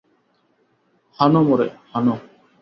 হানো মোরে, হানো।